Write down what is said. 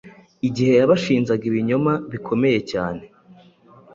Igihe yabashinjaga ibinyoma bikomeyecyane